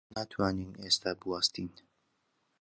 ناتوانین ئێستا بوەستین.